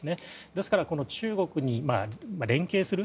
ですから、中国に連携する。